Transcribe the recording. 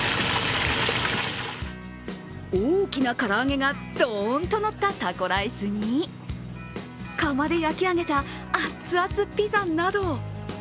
大きな唐揚げがドーンとのったタコライスに窯で焼き上げた熱々ピザなど。